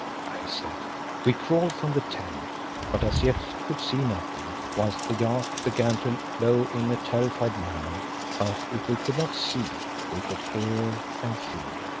I said. We crawled from the tent, but as yet could see nothing, whilst the yak began to low in a terrified manner. But if we could not see we could hear and feel.